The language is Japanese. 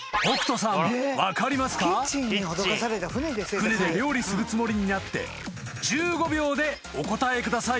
［船で料理するつもりになって１５秒でお答えください］